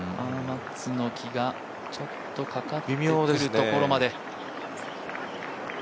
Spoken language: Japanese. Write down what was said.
松の木がちょっとかかってくるところまで。